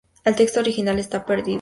El texto original está perdido.